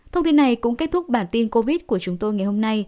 thông tin này cũng kết thúc bản tin covid của chúng tôi ngày hôm nay